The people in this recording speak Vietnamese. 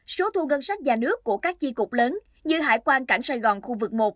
số thu ngân sách nhà nước của các chi cục lớn như hải quan cảng sài gòn khu vực một